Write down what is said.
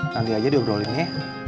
nanti aja diobrolin ya